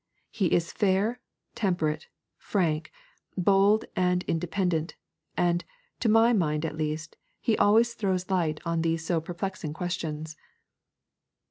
He is fair, temperate, frank, bold, and independent; and, to my mind at least, he always throws light on these so perplexing questions.'